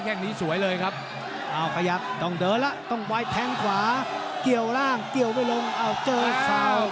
ไม่ยอมเลยราชสิงห์ก็ออกฝีนิราเลย